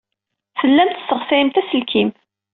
Tellamt tesseɣsayemt aselkim.